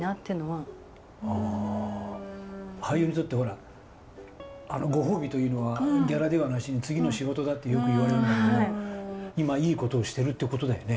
俳優にとってほらご褒美というのはギャラではなしに次の仕事だってよく言われるんだけど今いいことをしてるってことだよね